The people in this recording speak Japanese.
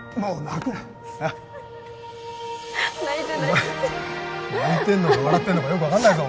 泣いてんのか笑ってんのかよく分かんないぞ